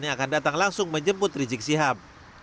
yang akan datang langsung menjemput rizik sihab